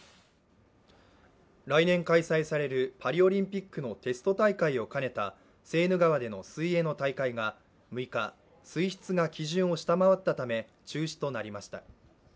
来年開催されるパリオリンピックのテスト大会を兼ねたセーヌ川での水泳の大会が６日、水質が基準を下回ったため中止となりました。